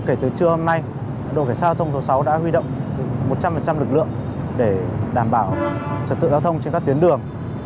kể từ trưa hôm nay đội cảnh sát giao thông số sáu đã huy động một trăm linh lực lượng để đảm bảo trật tự giao thông trên các tuyến đường